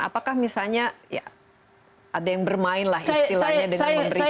apakah misalnya ada yang bermainlah istilahnya dengan memberikan